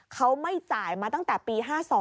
เขาไม่จ่ายมาตั้งแต่ปี๕๒